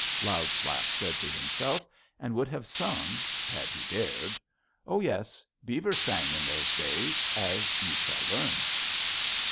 Loud Slap said to himself, and would have sung had he dared. Oh, yes, beavers sang in those days, as you shall learn.